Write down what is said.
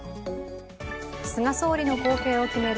菅総理の後継を決める